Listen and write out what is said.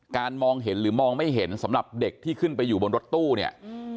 มองเห็นหรือมองไม่เห็นสำหรับเด็กที่ขึ้นไปอยู่บนรถตู้เนี่ย